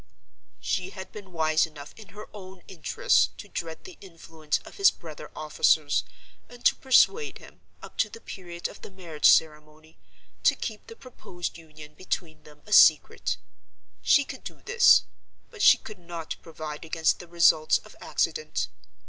"She had been wise enough in her own interests to dread the influence of his brother officers, and to persuade him, up to the period of the marriage ceremony, to keep the proposed union between them a secret. She could do this; but she could not provide against the results of accident.